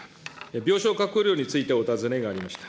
病床確保料についてお尋ねがありました。